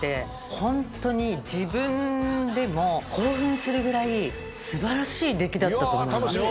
ホントに自分でも興奮するぐらい素晴らしい出来だったと思います。